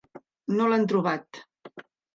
No l'han trobat.